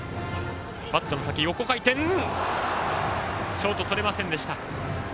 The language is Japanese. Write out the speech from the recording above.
ショートとれませんでした。